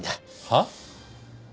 はっ？